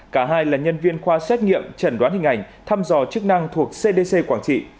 cả hai là nhân viên khoa xét nghiệm chẩn đoán hình ảnh thăm dò chức năng thuộc cdc quảng trị